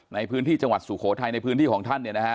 ในพื้นที่จังหวัดสุโขทัยในพื้นที่ของท่าน